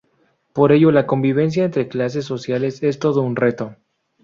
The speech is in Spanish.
Por ello, la convivencia entre clases sociales es todo un reto.